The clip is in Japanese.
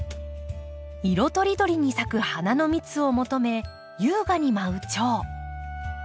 色とりどりに咲く花の蜜を求め優雅に舞うチョウ。